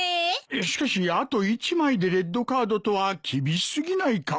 しかしあと１枚でレッドカードとは厳し過ぎないか？